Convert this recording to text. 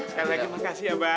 sekali lagi makasih abah